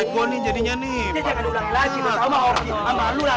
gua yang kena